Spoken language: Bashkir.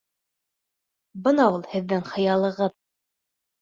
Бына ул һеҙҙең хыялығыҙ!